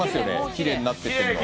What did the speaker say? きれいになっていってるの。